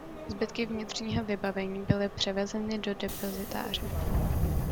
Zbytky vnitřního vybavení byly převezeny do depozitáře.